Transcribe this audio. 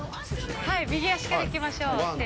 右足からいきましょう。